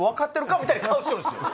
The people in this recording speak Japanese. みたいな顔しよるんですよ。